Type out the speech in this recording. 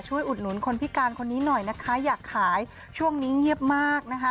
อุดหนุนคนพิการคนนี้หน่อยนะคะอยากขายช่วงนี้เงียบมากนะคะ